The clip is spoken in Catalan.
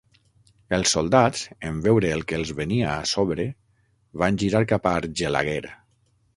Els soldats en veure el que els venia a sobre van girar cap a Argelaguer.